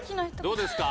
どうですか？